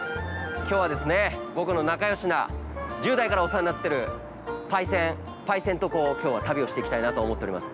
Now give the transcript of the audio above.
きょうはですね、僕の仲よしな１０代からお世話になってるパイセンときょうは旅をしていきたいなと思っております。